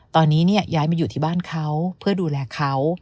ตอนนี้ย้ายมาอยู่ที่บ้านเขาเพื่อดูแลเขา